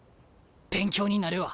勉強になるわ。